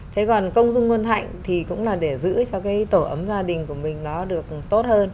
thế còn công dung nguồn hạnh thì cũng là để giữ cho cái tổ ấm gia đình của mình nó được tốt hơn